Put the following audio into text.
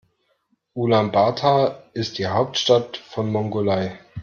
Ulaanbaatar ist die Hauptstadt von Mongolei.